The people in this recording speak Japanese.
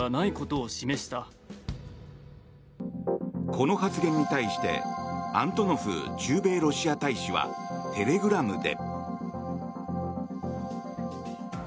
この発言に対してアントノフ駐米ロシア大使はテレグラムで。